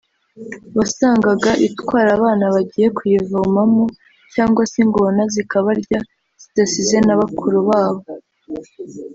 wasangaga itwara abana bagiye kuyivomamo cyangwa se ingona zikabarya zidasize na bakuru babo